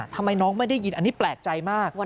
ทำไมน้องไม่ได้ยินอันนี้แปลกใจมาก